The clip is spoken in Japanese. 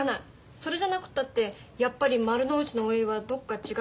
それじゃなくったってやっぱり丸の内のＯＬはどっか違うって言われるもん。